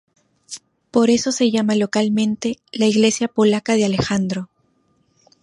Por eso se llama localmente la iglesia polaca de Alejandro.